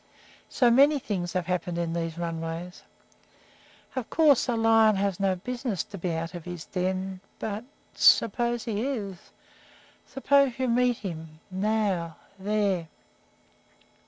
So many things have happened in these runways! Of course a lion has no business to be out of his den, but but suppose he is? Suppose you meet him now there!